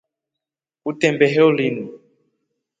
Kutembeho linu.